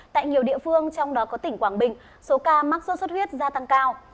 tại nhiều địa phương trong đó có tỉnh quảng bình số ca mắc sốt xuất huyết gia tăng cao